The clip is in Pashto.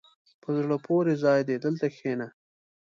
په زړه پورې ځای دی، دلته کښېنه.